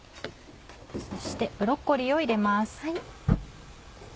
そしてブロッコリーを入れます。